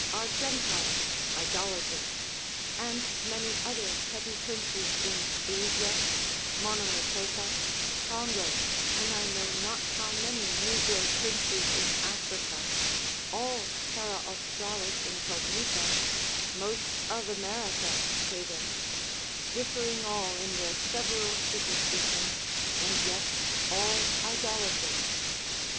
are gentiles, idolaters, and many other petty princes in Asia, Monomotopa, Congo, and I know not how many Negro princes in Africa, all Terra Australis incognita most of America pagans, differing all in their several superstitions; and yet all idolaters.